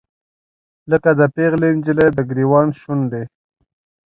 لکه د پیغلې نجلۍ، دګریوان شونډې